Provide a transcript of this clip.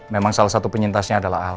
memang salah satu penyintasnya adalah al